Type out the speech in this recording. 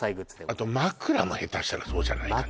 あと枕もヘタしたらそうじゃないかな？